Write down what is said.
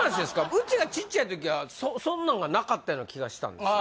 うちがちっちゃい時はそんなんがなかったような気がしたんですよ